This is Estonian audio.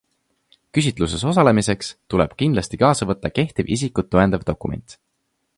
Küsitluses osalemiseks tuleb kindlasti kaasa võtta kehtiv isikut tõendav dokument.